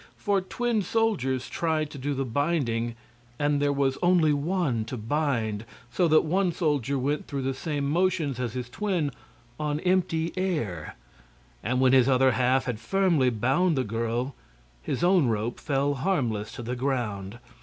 For twin soldiers tried to do the binding, and there was only one to bind; so that one soldier went through the same motions as his twin on empty air, and when his other half had firmly bound the girl, his own rope fell harmless to the ground.